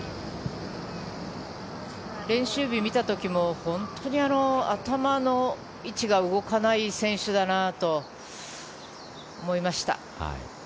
練習日を見た時も頭の位置が動かない選手だなと思いました。